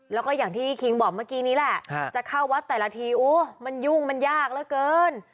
แล้วก็อย่างที่คิงบอกเมื่อกี้นี้แหละจะเข้าวัดแต่ละทีโอ้มันยุ่งมันยากเหลือเกิน